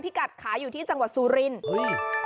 พี่กัจขายอยู่ที่จังหวัดสุรินบริเวณ